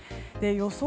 予想